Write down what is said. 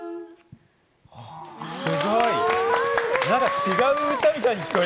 すごい。